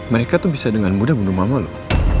mereka tuh bisa dengan mudah bunuh mama loh